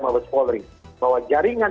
mabes wallery bahwa jaringan